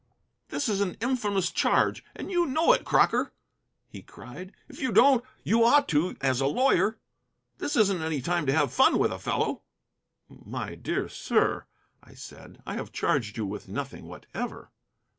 "This is an infamous charge, and you know it, Crocker," he cried. "If you don't, you ought to, as a lawyer. This isn't any time to have fun with a fellow." "My dear sir," I said, "I have charged you with nothing whatever."